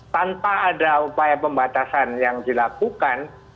tanpa ada upaya pembatasan yang dilakukan